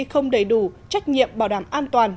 không đầy đủ trách nhiệm bảo đảm an toàn